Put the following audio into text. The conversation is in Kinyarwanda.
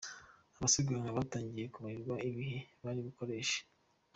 Abasiganwa batangiye kubarirwa ibihe bari bukoreshe.